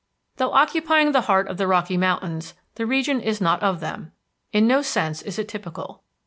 Though occupying the heart of the Rocky Mountains, the region is not of them. In no sense is it typical.